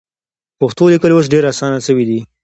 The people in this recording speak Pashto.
پښتو لیکل اوس ډېر اسانه سوي دي.